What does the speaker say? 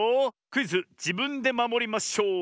クイズ「じぶんでまもりまショウ」